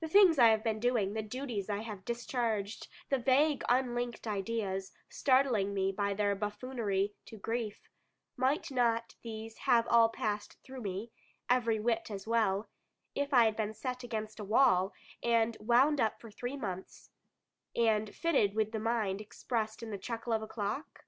The things I have been doing, the duties I have discharged, the vague unlinked ideas, startling me by their buffoonery to grief might not these have all passed through me, every whit as well, if I had been set against a wall, and wound up for three months, and fitted with the mind expressed in the chuckle of a clock?